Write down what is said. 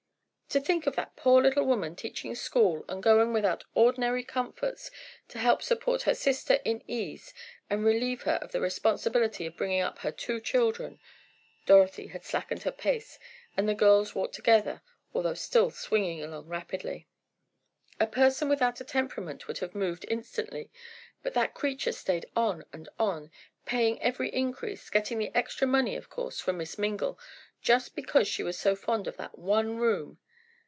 "To think of that poor little woman teaching school, and going without ordinary comforts, to help support her sister in ease and relieve her of the responsibility of bringing up her two children!" Dorothy had slackened her pace and the girls walked together, although still swinging along rapidly. "A person without a temperament would have moved instantly, but that creature stayed on and on, paying every increase, getting the extra money of course from Miss Mingle, just because she was so fond of that one room!"